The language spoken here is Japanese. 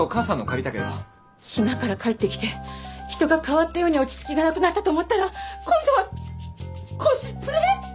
島から帰ってきて人が変わったように落ち着きがなくなったと思ったら今度はコスプレ！？